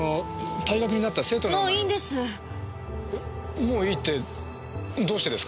もういいってどうしてですか？